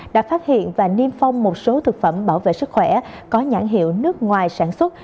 đã phát hiện và niêm phong một số thực phẩm bảo vệ sức khỏe có nhãn hiệu nước ngoài sản xuất